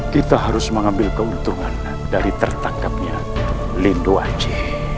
kita harus mengambil keuntungan dari tertangkapnya lindo aji